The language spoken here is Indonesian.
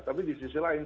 tapi di sisi lain